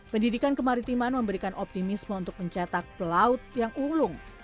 pendidikan kemaritiman memberikan optimisme untuk pemerintahan